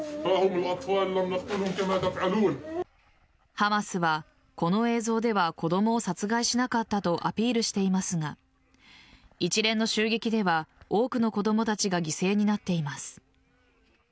ハマスはこの映像では子供を殺害しなかったとアピールしていますが一連の襲撃では多くの子供たちが犠牲になっています。